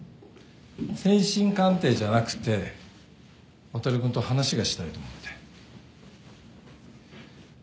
精神鑑定じゃなくて航君と話がしたいと思って。